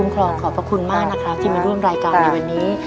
ครองขอบพระคุณมากนะครับที่มาร่วมรายการในวันนี้